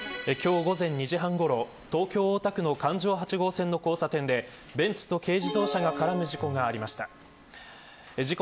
今日午前２時半ごろ東京、大田区の環状八号線の交差点でベンツと軽自動車が絡む事故がありました。